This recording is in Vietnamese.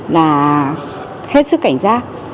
là hết sức cảnh giác